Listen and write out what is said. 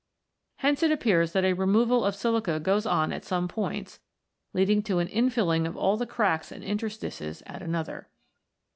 Hence it appears that a removal of silica goes on at some points, leading to an infilling of all the cracks and interstices at another.